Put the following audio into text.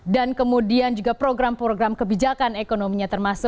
bahwa memang rupiah menarik untuk dicermati